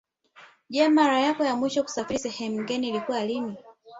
Je mara yako ya mwisho kusafiri sehemu ngeni ilikuwa lini